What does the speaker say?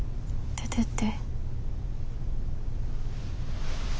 出てって。